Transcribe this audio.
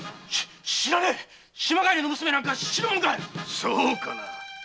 知らねぇ島帰りの娘なんか知るもんかそうかな？